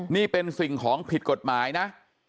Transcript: นี่เป็นสิ่งของผิดกฎหมายนะ